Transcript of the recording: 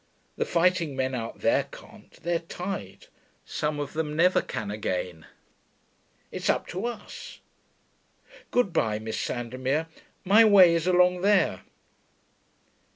The fighting men out there can't; they're tied. Some of them never can again.... It's up to us.... Good bye, Miss Sandomir: my way is along there.'